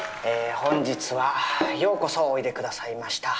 本日はようこそおいで下さいました。